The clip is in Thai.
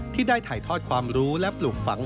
ที่ได้ถ่ายทอดความรู้และปลูกฝัง